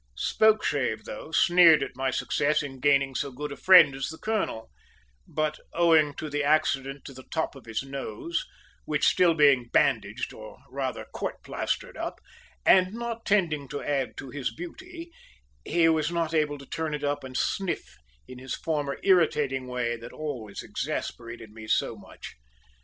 Spokeshave, though, sneered at my success in gaining so good a friend as the colonel; but owing to the accident to the top of his nose, which being still bandaged, or rather court plastered up, and not tending to add to his beauty, he was not able to turn it up and sniff in his former irritating way that always exasperated me so much.